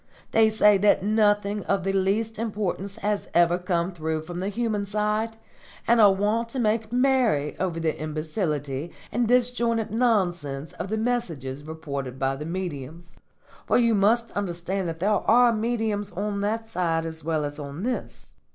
They say that nothing of the least importance has ever come through from the human side, and are wont to make merry over the imbecility and disjointed nonsense of the messages reported by the mediums; for you must understand that there are mediums on that side as well as on this.